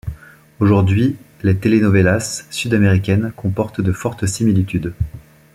Aujourd'hui, les telenovelas sud-américaines comportent de fortes similitudes.